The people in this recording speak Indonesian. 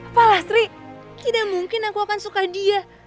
falasri tidak mungkin aku akan suka dia